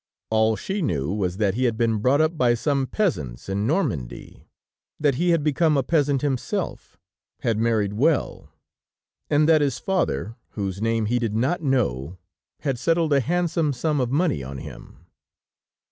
All she knew was, that he had been brought up by some peasants in Normandy, that he had become a peasant himself, had married well, and that his father, whose name he did not know, had settled a handsome sum of money on him.